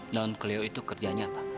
non cleo itu kerjanya apa